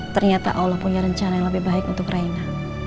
ternyata allah punya rencana yang lebih baik untuk raina